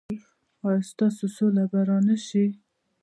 ایا ستاسو سوله به را نه شي؟